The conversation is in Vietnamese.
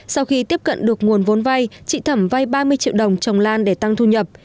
sau khi tiếp cận được nguồn vốn vay chị thẩm vay ba mươi triệu đồng trồng lan để tăng thu nhập